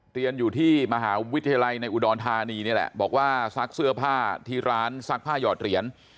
เรียนอยู่ที่มหาวิทยาลัยในอุดรธานีนี่แหละบอกว่าซักเสื้อผ้าที่ร้านซักผ้าหยอดเหรียญ